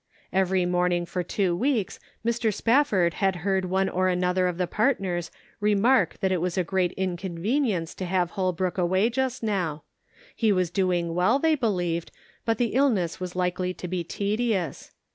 Every morning for two weeks Mr. Spafford had heard one or another of the partners Measuring Enthusiasm. 459 remark that it was a great inconvenience to have Holbrook away just now ; he was doing well they believed, but the illness was likely to be tedious.